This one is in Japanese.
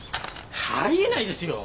あり得ないですよ。